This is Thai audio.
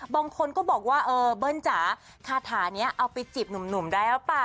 บางคนก็บอกว่าเออเบิ้ลจ๋าคาถานี้เอาไปจีบหนุ่มได้หรือเปล่า